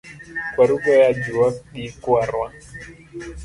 Kwaru goyo ajua gi kwarwa .